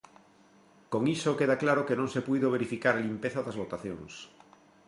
Con iso queda claro que non se puido verificar a limpeza das votacións.